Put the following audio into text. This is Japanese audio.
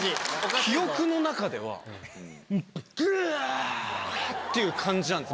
記憶の中ではグワっていう感じなんです